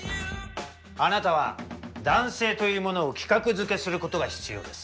あなたは男性というものを規格づけすることが必要です。